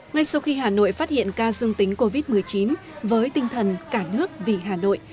ngay sau khi hà nội phát hiện ca dương tính covid một mươi chín với tinh thần cả nước vì hà nội